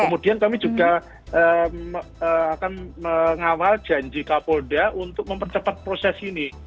kemudian kami juga akan mengawal janji kapolda untuk mempercepat proses ini